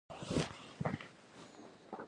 لاس یې په وینو لند شو.